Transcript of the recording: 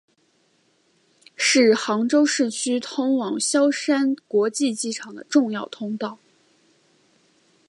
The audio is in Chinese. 是杭州市区通往萧山国际机场的重要通道。